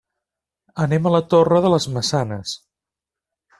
Anem a la Torre de les Maçanes.